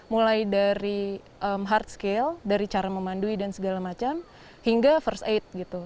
mulai dari hard scale dari cara memandui dan segala macam hingga first aid gitu